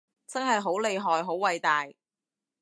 真係好厲害好偉大